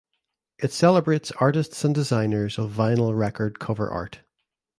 It celebrates artists and designers of vinyl record cover art.